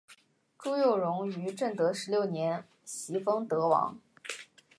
朱佑榕于正德十六年袭封德王。